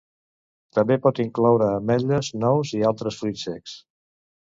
També pot incloure ametlles, nous i altres fruits secs.